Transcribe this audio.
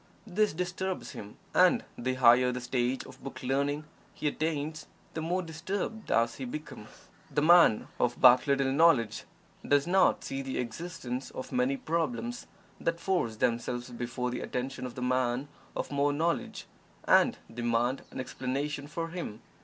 This disturbs him, and the higher the stage of "book learning" he attains, the more disturbed does he become. The man of but little knowledge does not see the existence of many problems that force themselves before the attention of the man of more knowledge, and demand an explanation from him.